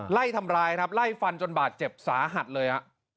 ไล่ทำร้ายครับไล่ฟันจนบาดเจ็บสาหัสเลย